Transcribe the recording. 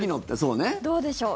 どうでしょう。